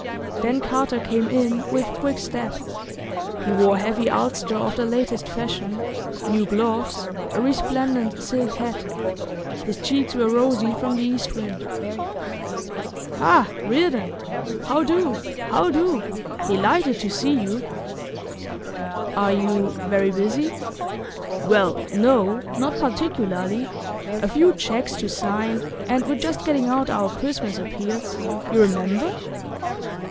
Then Carter came in with quick step; he wore a heavy ulster of the latest fashion, new gloves, a resplendent silk hat; his cheeks were rosy from the east wind. 'Ha, Reardon! How do? how do? Delighted to see you!' 'Are you very busy?' 'Well, no, not particularly. A few cheques to sign, and we're just getting out our Christmas appeals. You remember?